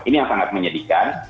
ini yang sangat menyedihkan